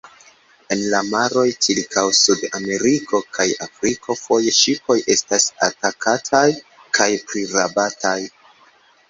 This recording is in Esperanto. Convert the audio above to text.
En la maroj ĉirkaŭ Sud-Ameriko kaj Afriko foje ŝipoj estas atakataj kaj prirabataj.